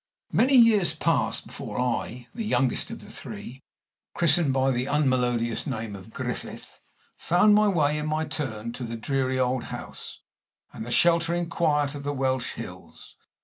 Many years passed before I, the youngest of the three christened by the unmelodious name of Griffith found my way, in my turn, to the dreary old house, and the sheltering quiet of the Welsh hills.